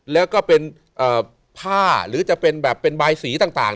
แล้วก็เป็นผ้าหรือจะเป็นแบบเป็นบายสีต่าง